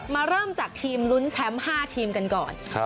เริ่มจากทีมลุ้นแชมป์๕ทีมกันก่อน